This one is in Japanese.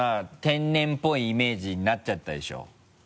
天然っぽいイメージになっちゃったでしょ。